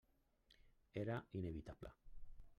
Era inevitable.